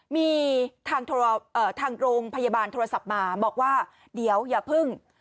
มีทางโรงพยาบาลโทรศัพท์มาบอกว่าเดี๋ยวอย่าเพิ่ง